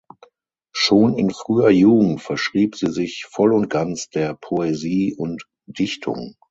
Schon in früher Jugend verschrieb sie sich voll und ganz der Poesie und Dichtung.